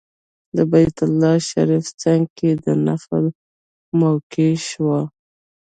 د بیت الله شریف څنګ کې د نفل موقع شوه.